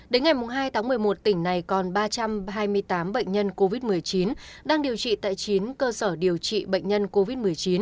đến ngày hai tháng một mươi một tỉnh này còn ba trăm hai mươi tám bệnh nhân covid một mươi chín đang điều trị tại chín cơ sở điều trị bệnh nhân covid một mươi chín